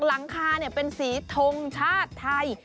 หลังคาเป็นสีทงชาติไทย